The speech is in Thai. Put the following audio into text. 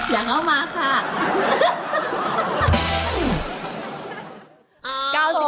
อย่างเอามาค่ะ